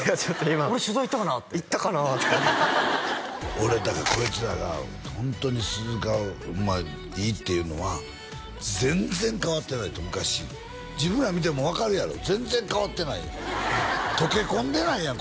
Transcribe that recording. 俺だからこいつらがホントに鈴鹿をいいって言うのは全然変わってないと昔自分ら見ても分かるやろ全然変わってない溶け込んでないやん